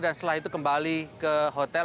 dan setelah itu kembali ke hotel